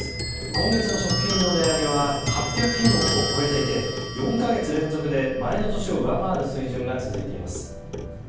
今月の食品の値上げは８００品目を超えていて４か月連続で前の年を上回る水準が続いています。